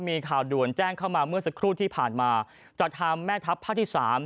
มีข่าวด่วนแจ้งเข้ามาเมื่อสักครู่ที่ผ่านมาจากทางแม่ทัพภาคที่สาม